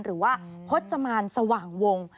หรือว่าพจมานสว่างวง